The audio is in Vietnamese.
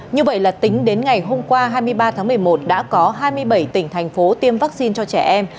như vậy là tính đến ngày hôm qua hai mươi ba tháng một mươi một đã có hai mươi bảy tỉnh thành phố tiêm vaccine cho trẻ em